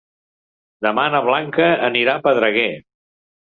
Demà na Blanca anirà a Pedreguer.